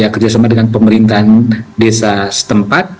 kerjasama dengan pemerintahan desa setempat